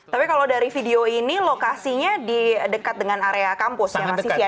tapi kalau dari video ini lokasinya di dekat dengan area kampus ya mas isya